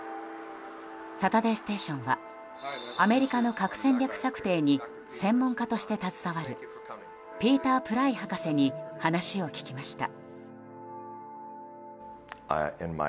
「サタデーステーション」はアメリカの核戦略策定に専門家として携わるピーター・プライ博士に話を聞きました。